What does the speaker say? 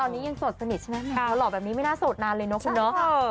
ตอนนี้ยังโสดสนิทใช่ไหมแมวหล่อแบบนี้ไม่น่าโสดนานเลยเนาะคุณเนาะ